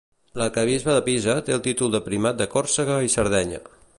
L'arquebisbe de Pisa té el títol de Primat de Còrsega i Sardenya.